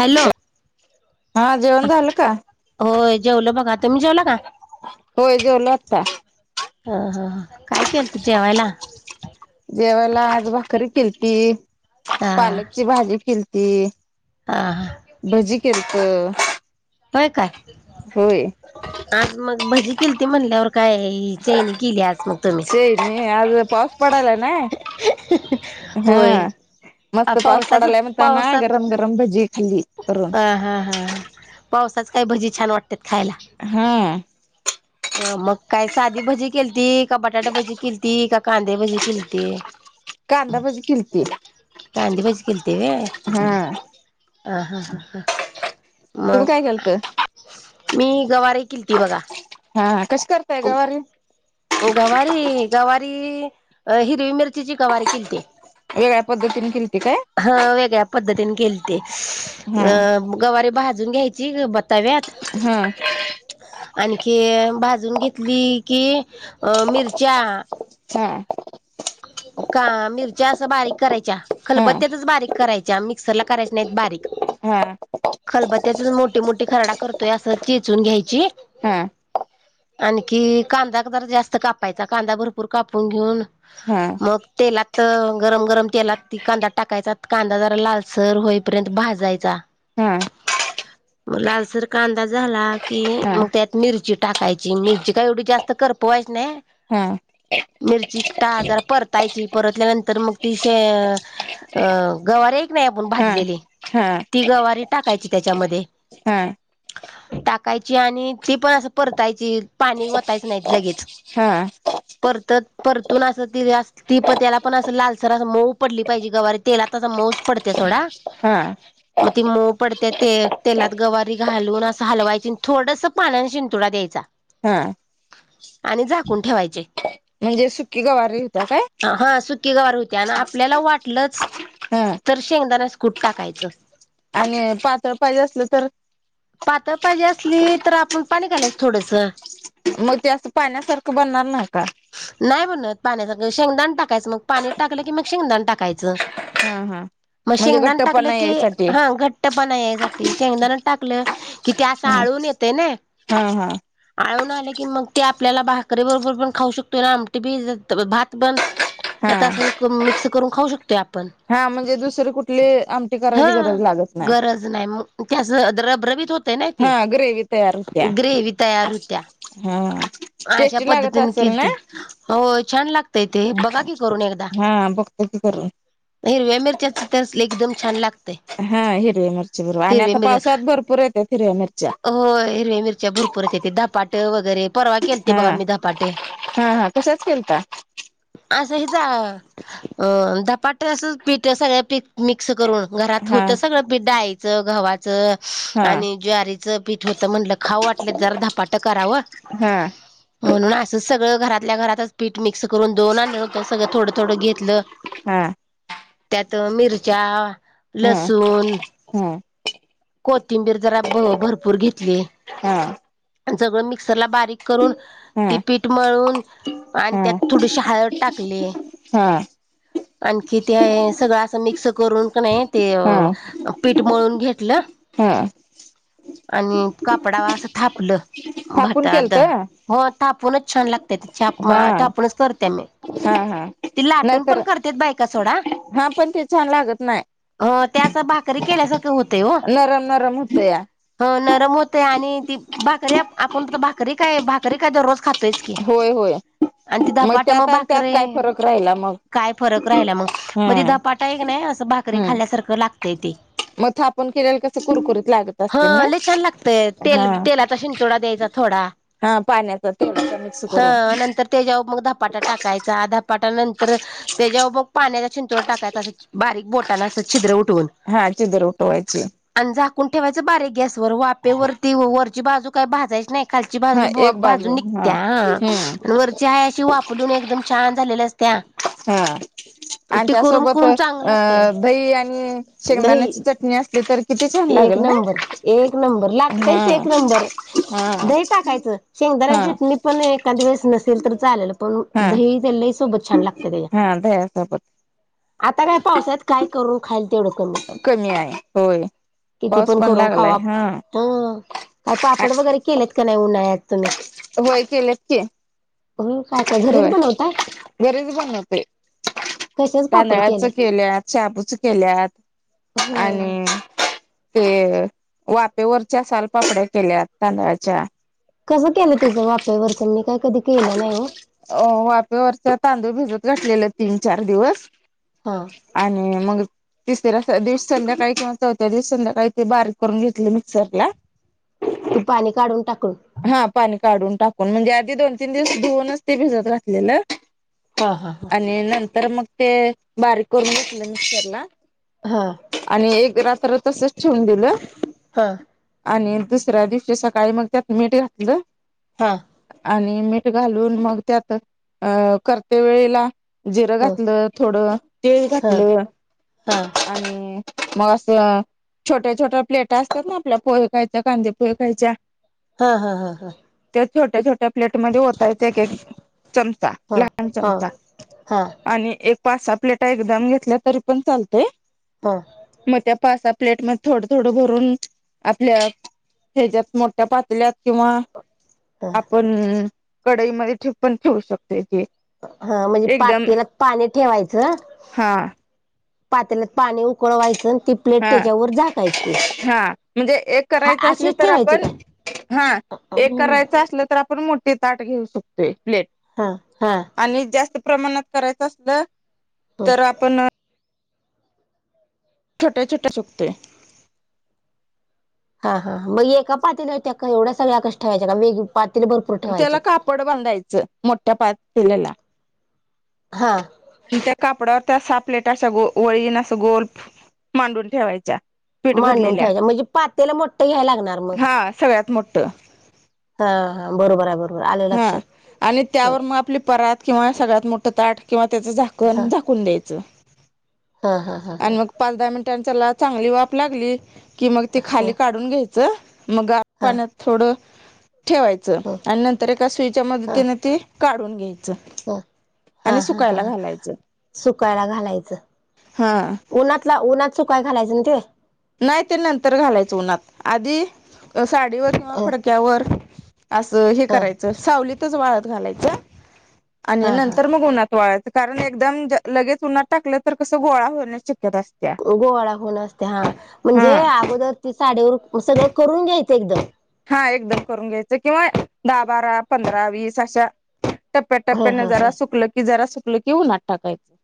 Hello. हा जेवन झाल का? जेवलं बघा तुम्ही जेवला का? होय जेवलो आता. हा हा हा काय केलत जेवायला. जेवाला आज भाकरी किलती, हा पालकची भाजी किलती. हा हा भजी केलत होय काय होय. आज मग भजी केली त म्हणल्यावर. काय चैन केली मग आज तुम्ही. शेवगे आज पाऊस पडलाय नाय होय हा. मस्त पाऊस पावसाच पडालायं म्हणताना गरम गरम भजी खाल्ली. करून. ह हा हा पावसात काय भजी छान वाटतात खायला. हा अ मगं काय साधी भजी केलीती, का बटाटे भजी केलीती, का कांदे भजी केलीती. कांदा भजी किलती. कांदे भजी केलती व्हय. हा हा हा ह ह मग तुम्ही काय केलत? मी. गवारी केलंती बघा हा कशी करताय गवारी? गवारी. गवारी हिरवी मिरचीची गवारी किलती. वेगळ्या पद्धतीने किल हा वेगळ्या पद्धतीने केली ती, हा अ गवारी भाजून घ्यायची ब तव्यात हा आणखी भाजून घेतली की. अ मिरच्या. हा का मिरच्या अस बारीक करायच्या हा खलबत्त्यातच बारीक करायच्या मिक्सरला. करायच नाही बारीक हा खलबत्यातच मोठी मोठी खर्डा त असं चेचून घ्यायची. हा आणखी कांदा जर जास्त कापायचा कांदा भरपूर कापून घेऊन. हा मग तेलात तर गरम गरम तेलात त कांदा टाकायचा, कांदा जरा लालसर होईपर्यंत भाजायचा. हा मग लालसर कांदा झाला की हा मग त्यात मिरची टाकायची मिरची का एवढी जास्त कर पो. वैष्ने हा. मिर्ची. जरा परतायची परतल्यानंतर मग, शे तीे हाय क नाही आपली हा भाजले. हा ती गवारी टाकायची त्याच्यामध्ये. हा. टाकायची आणि ती पण असं, परतायची पाणी वतायचं नाही लगेच. हा परतत परत. तून असं त ती प त्याला, पण अस लालसर अस, मऊ पडली पाहिजे गवारी तेलाता असं मऊच पडत्या सोडा. हा. मग ती मऊ पडते ते तेलात गवारी घालून असं, हलवायची थोडस पाण्याने शिंतोडा द्यायचा. हा. आणि झाकून ठेवायचे. म्हणजे सुकी गवार होत्या काय. गवार होत्या आणि आपल्याला वाटलच हा तर शेंगदाण्याचे कूट टाकायचं. आणि पातळ पाहिजे असलं तर पातळ पाहिजे असली तर आपण पाणी घालायचस थोडंसं. मग ते असं पाण्यासारखं बनणार नाही का? नाही बनत पाण्यासारखं, शेंगदाण टाकायचं मग पाणी टाकलं की मग शेंगदाण टाकायचं. हा हा मग म्हणजे शेंगदाान टाकलं घट्टपणा की यायसाठी हा घट्ट पणा यासाठी. ते शेंगदाना टाकलं कि ते असं हा आळून येते ना, हा आळून आले की मग ते आपल्याला भाकरीे बरोबर पण खाऊ शकतो ना आमटी बी, भात पण हा त्यात असं मिक्स करून खाऊ शकते आप पण. हा म्हणजे दुसरी कुठली आमटी करायची हा, गरज लागत नाही गरज नाही मग. ते असं रब-रबीत होतंय ना ते, हा ग्रेवी तयार होत्या ग्रेवी तयार होत्या. हा अशा टेस्टी लागत पद्धतीने असेल केल ना ते. हो, छान य ते, बघा कि करून एकदा. हा बघतो की करून हिरव्या मिरच्याच तर एकदम छान लागतंय. हा, हिरव्या मिरची बरोबर आणि आता पावसाळ्यात भरपूर येत्यात हिरव्या मिरच्या. तेथ ते धपाट वगैरे, परवा केलते हा बघा मी धपाटे. हा हा कशाच केलता असं हचा अं धपाट अस पीठ सगळ्या पी मिक्स करून घरात हा होत सगळं पीठ डाळीचं गव्हाचं हा आणि ज्वारी च पीठ होत म्हटलं खावं वाटलं जरा धपाटं करावं, हा हा म्हणून अस सगळं घरातल्या घरातच पीठ मिक मिक्स करून दोन आण न होत सगळं थोडं थोडं घेतलं. हा त्यात मिरच्या, हा लसूण हा कोथिंबीर जरा भरपूर घेतली. हा आणि सगळं मिक्सरला बारीक करून ती हा पीठ मळून आणि त्यात हा थोडीशी हळद टाकली. आणखी ते आहे सगळं असं मिक्स करून का नाही ते हा पीठ मळून घेतलं. हा आणि कापडावर असं थापलं थापून भातात, केलत हा हो. थापूनच छान लागते, छाप हा मा थापूनच करते मी हा ती लाटून नाहीतर पण करते तेच बायका सोडा. हा पण ते छान लागत नाही अ, त्याचा भाकरी केल्यासारखं होतंय हो. नरम नरम होत या ह, नरम होतेय आणि ती भाकरी आपण तर भाकरी काय भाकरी काय दररोज खात. च की होय होय आणि ते धपाटं त्यात मग आणि त्यात भाकरी, काय फरक राहिला मग काय फरक राहिला मग? मग ते हम् धपाटा एक नाही असं भाकरी हम् खाल्ल्यासारखं लागतंय ते. मग थापूण केलेलं कस कुरकुरीत लागत असतील हा ना. लय छान लागतय तेल हा. तेलाचा शिंतोडा द्यायचा थोडा हा पाण्याचा ते. [unintelligible] हा, नंतर त्याच्यावर मग धपाटा टाकायचा. धपाट्या नंतर त्याच्यावर मग पाण्याचा चिंतो टाकायचा असं बारीक बोटाना असं छिद्र उठ हा, छिद्र उठवायची. कोण ठेवायचं बारीेक गॅस वर वाफेवररती वरची बाजू काही भाजायची नाही. खालची हा बाजू एक भाजून बाजू निघत्या, हा हम्म आणि वरची आहे अशी वापरलून एकदम छान झालेल्या असत्या. हम. आणि ती करून त्यासोबत अ करून चांगलं लागतय दही आणि दही शेंगदाण्याची चटणी असली तर किती छान एक लागेल ना नंबर, एक नंबर, हा लागतयच एक नंबर. हा दही टाक यच हा शेंगदाण्याची चटनी पण एखांद वळेस नसेल तर चालेल पण हा दही ल सोबत छान लागते त्याच्या हा, दह्या सोबत. आता काय पावसात काय करून खाईल तेवढं. कमी आहे, होय. किती पाऊस पण करून खावा लागलाय हा हो, काही पापड वगैरे केलेत का नाही उन्हाळ्यात? तुम्ही होय, केल्यात की. हो काय काय घरीच होय. बनवताय घरीच बणवतोय. कशाच पापड तांदळाच केले केल्यात, शाबुच केल्यात होय आणि ते वाफेवरच्या सालपापड्या केल्यात तांदळाच्या. कसं केलं त्याचं वाप्यावरचं मी काय कधी केलं नाही हो अ वाफेवरच तांदूळ भिजत घाठलेलं तीन, चार दिवस. हा आणि मग तिसऱ्या दिवशी संध्याकाळी किंवा चौथ्या दिवस संध्याकाळी ते बारीक करून घेतले मिक्सरला ती पाणी काढून टाकून हा पाणी काढून टाकून म्हणजे आधी दोन तीन दिवस धुऊनच ते भिजत घातलेलं हा हा आणि नंतर मग ते बारीक करून घेतल मिक्सर ला हा आणि एक रात्र तसच ठेवून दिलं हा आणि दुसऱ्या दिवशी सकाळी मग त्यात मीठ घातलं हा. आणि मीठ घालून मग त्यात अ करते वेळेला जिरं हा घातलं थोडं तीळ ह घातलं आणि मग असं छोट्या-छोट्या प्लेटा असत्यात ना आपल्या पोहे खायच्या कांदे पोहे खायच्या हां, हां, हां, हां. छोट्या-छोट्या प्लेट मध्ये ओतायच एक-एक चमचा, लहान ह चमचा ह ह आणि एक पास-सहा प्लेटा एकदम घेतल्या तरी पण चालतय हा मग त्या पाच प्लेट मध्ये थोडं- थोडं भरून आपल्या ह्याच्यात मोठ्या पातल्यात किंवा आप कढईमध्ये ठिपुण पण ठेवू शकतो. हां म्हणजे पातेलात पाणी ठेवायचं हा पातेला पाणी उकळवायचं आणि ती प्लेट त्याच्यावर झाकायची. हां म्हणजे एक हा करायचं असली अशीच तर ठेवायची आपण काय हा एक करायचं असलं तर आपण मोठीे ताट घेऊ शकतो. प्लेट हा हा आणि जास्त प्रमाणात करायचं असलं तर आपण छोटे-छोटे चकते हां हां मग एका पातीलात त्या एवढ्या सगळ्या कश्या ठेवायच्या का वेग पातेल भरपूर त्याला ठेवायचे कापड बांधायचं मोठ्या पातीलाला हा आणि त्या कापडावर त्या सहा प्लेटा अशा वळीन अस गोल मांडून ठेवायच्या. पीठ मांडून भरलेल्या ठेवायच्या म्हणजे पातेला मोठं घ्यायला लागणार हां सगळ्यात मोठ हां हां बरोबर आहे बरोबर आलं हां लक्षात आणि त्यावर मग आपली परात किंवा सगळ्यात मोठं ताट त्याच झाकण झाकून द्यायचं. हां हां हां हां. मग पाच दहा आणि त्याला चांगली वाफ लागली कि मग ते खाली काढून घ्यायचं. मगा हा हा पाण्यात सोडं. ठेवायचं आणि नंतर एका सुईच्या मदतीने तिने ते काढून ह आ आणि हा ह सुकायला घालायचं सुकायला घालायचं. हा उन्हातला-उन्हात काय घालायचं न ते? नाही ते नंतर घालायचं उन्हात, आधी साडीवर किंवा ह फडक्यावर असं हे ह करायचं सावलीतच वाळत घालायचं आणि हा हा नंतर मग उन्हा गळ्याच कारण एकदम लगेच उन्हात टाकलं तर कसं गोळा होण्या गोवाळा खन असते हा हा म्हणजे अगोदर ती साडीवर मग सगळं करून घ्यायचं एकदम हा एकदम करून घ्यायचं किंवा दहा बारा पंधरा वीस अशा हा टप्प्याटप्प्याने हा जरा हा सुकलं की जरा सुकलं की उन्हत टाकायचं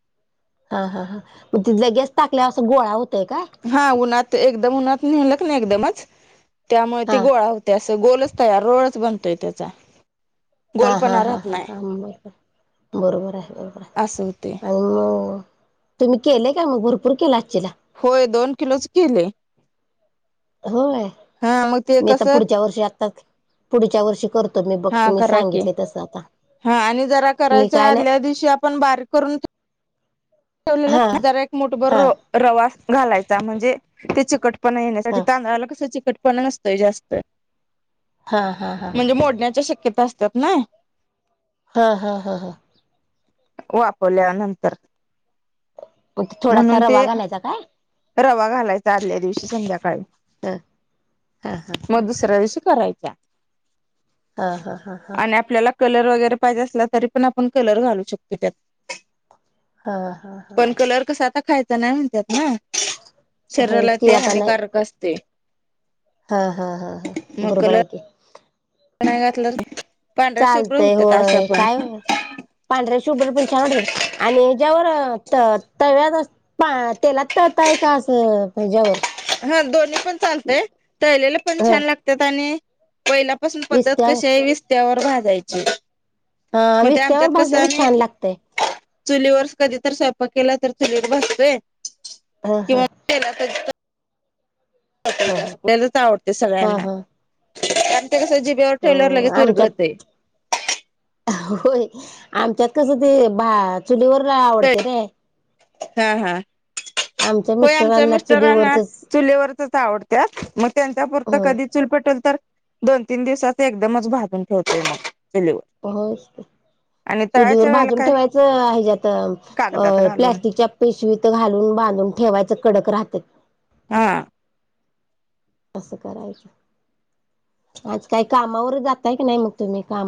हा हा हा मग तिथला गॅस टाकल्या अस गोळा हो हा उन्हात एकदम उन्हात नेल ना एकदमच त्यामुळे ती हा गोळा होते अस गोलच त या रोडच बनतोय त्याचा हा हा गोलपणा हा राहत हा नाही हा बरोबर बरोबर आहे बरोबर आहे ते आणि मग तुम्ही केले का मग भरपूर केला असचिला होय दोन किलोच केलोय होय मग ते मी आता कसं पुढच्या वर्षी आता पुढच्या वर्षी करतो तर मी बघ हा तुम्ही करा की सांगितले तसं आता हा आणि जरा मी करायच्या काय नाही आदल्या दिवशी आपण बारीक करून ला हा जरा एक मोठभर हा रवा घालायचा म्हणजे त्याची चिकटपणा येण्यासाठी हा तांदळाला कस चीकटपना नसतय जास्त हा हा हा म्हणजे [unintelligible] हा हा हा हा वापरल्यानंतर मग थोडासा म्हणून रवा ते घालायचा काय? रवा घालायचा आदल्या दिवशी संध्याकाळी हा हा मग दुसऱ्या दिवशी करायच्या हा हा हा हा कलर वगैरे पाहिजे असला तरी पण आपण कलर घालू शकतो त्यात हा हा हा पण कलर कसा आता खायचा नाही म्हणतत ना शरीराला होयच की ते आता नाही हानिकारक असते हा हा हा हा मग बरोबर कलर हाय की नाही घातलं पांढऱ्या शुभ्र चालतंय होत्यात अशा होय पण काय पांढऱ्या शुभ्र पण छान वाटत आणि ज्यावर त तव्यात तेलात तळताय का असं ज्यावर हा दोन्ही पण चालतय तळलेले पण ह छान लागतात आणि पहिल्यापासून पद्धत विस्त्यावर कशी आहे विस्त्यावर भाजायची हा मग ते विस्त्यावर आमच्यात कसं भाजलेलं आम्ही छान लागतय चुलीवर कधी तर स्वयंपाक केला तर चुली भाजतोय ह ह किंवा तेला ह तळल्यालाच आवडते ह सगळ्यांना ह कारण ते कसं जीबीवर अ ठेवलं की लगेच आमच्यात विरघळतंय होय आमच्यात कसं ते बा चुलीवर आवडतय नि हा हा आम् होय आमच्या मिस्टरांना चुलीवरचच आवडत्या मग त्यांच्या पुरत हो कधी चूल पेटवल तर दोन तीन दिवसाच एकदमच भाजून ठेवतोय मग चुलीवर [inaudible] आणि चुलीवर तळायच्या वेळेला भाजून काय ठेवायचं हेज्यात कागदात अ घालून प्लस्टिकच्या पिशवीत घालून बांधून ठेवायचं कडक राहतात हा असं करायचं आज काही कामावर जातय की नाही मग तुम्ही काम